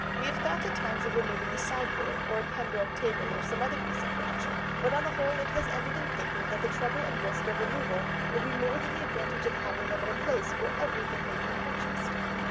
we have thought at times of removing the sideboard, or a Pembroke table, or some other piece of furniture, but on the whole it has ended in thinking that the trouble and risk of the removal would be more than the advantage of having them at a place where everything may be purchased."